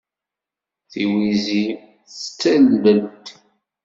Tiwizi d tallelt.